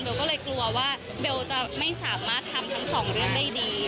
ก็เลยกลัวว่าเบลจะไม่สามารถทำทั้งสองเรื่องได้ดี